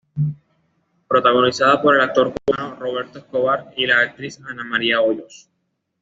Protagonizada por el actor cubano Roberto Escobar y la actriz Ana María Hoyos.